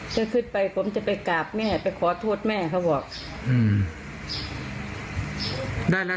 จะขึ้นไปผมจะไปกลับแม่ขอโทษแม่แห่งพ่อที่ได้แล้ว